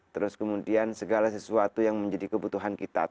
terus kemudian segala sesuatu yang menjadi kebutuhan kita